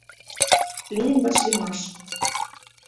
Лийын вашлиймаш